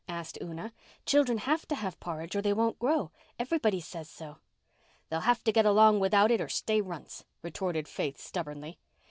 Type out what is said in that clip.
asked Una. "Children have to have porridge or they won't grow. Everybody says so." "They'll have to get along without it or stay runts," retorted Faith stubbornly.